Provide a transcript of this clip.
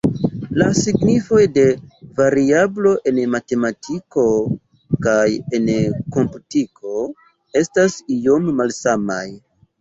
La signifoj de variablo en matematiko kaj en komputiko estas iom malsamaj.